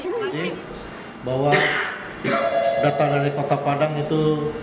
jadi bahwa datang dari kota padang itu